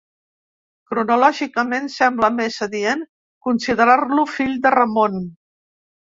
Cronològicament sembla més adient considerar-lo fill de Ramon.